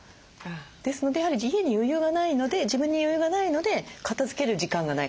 ですのでやはり余裕がないので自分に余裕がないので片づける時間がない。